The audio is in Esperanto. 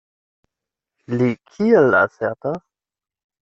Li kiel asertas?